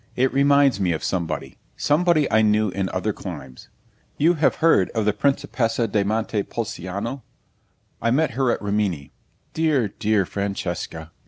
It reminds me of somebody somebody I knew in other climes. You have heard of the Principessa di Monte Pulciano? I met her at Rimini. Dear, dear Francesca!